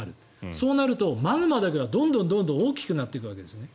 そうなるとマグマだけがどんどん大きくなっていくわけですね。